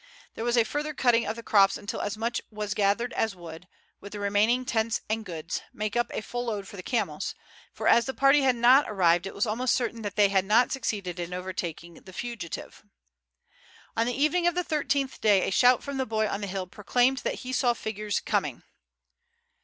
There was a further cutting of the crops until as much was gathered as would, with the remaining tents and goods, make up a full load for the camels, for as the party had not arrived it was almost certain that they had not succeeded in overtaking the fugitive. On the evening of the thirteenth day a shout from the boy on the hill proclaimed that he saw figures coming.